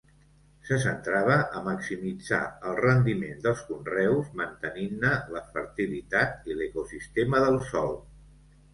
Se centrava a maximitzar el rendiment dels conreus mantenint-ne la fertilitat i l'ecosistema del sòl.